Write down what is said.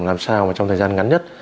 làm sao trong thời gian ngắn nhất